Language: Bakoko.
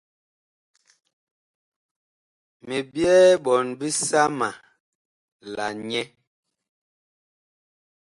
Mi byɛɛ ɓɔɔn bisama la nyɛ.